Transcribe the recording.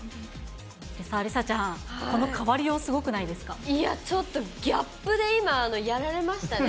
梨紗ちゃん、この変わりよう、ちょっとギャップで今、やられましたね。